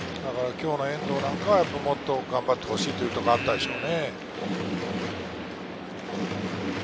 今日の遠藤なんかはもっと頑張ってほしいというところがあったでしょう。